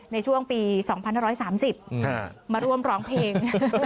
ในช่วงปี๒๕๓๐มาร่วมร้องเพลง